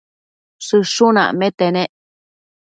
Shëshun acmete nec